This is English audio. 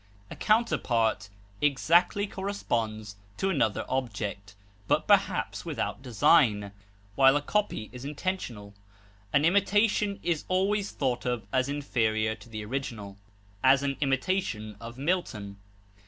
A counterpart exactly corresponds to another object, but perhaps without design, while a copy is intentional. An imitation is always thought of as inferior to the original; as, an imitation of Milton.